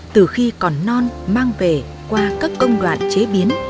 từ khi còn non mang về qua các công đoạn chế biến